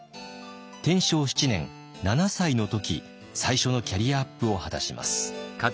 天正７年７歳の時最初のキャリアアップを果たします。